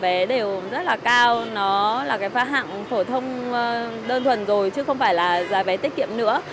vé đều rất là cao nó là cái pha hạng phổ thông đơn thuần rồi chứ không phải là giá vé tiết kiệm nữa